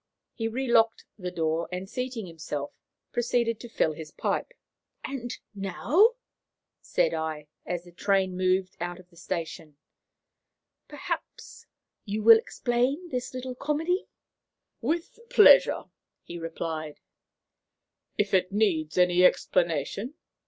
He relocked the door, and, seating himself, proceeded to fill his pipe. "And now," said I, as the train moved out of the station, "perhaps you will explain this little comedy." "With pleasure," he replied, "if it needs any explanation.